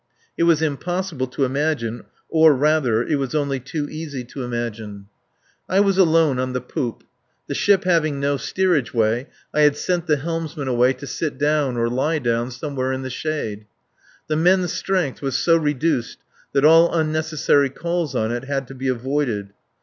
It was impossible to imagine, or rather, it was only too easy to imagine. I was alone on the poop. The ship having no steerage way, I had sent the helmsman away to sit down or lie down somewhere in the shade. The men's strength was so reduced that all unnecessary calls on it had to be avoided.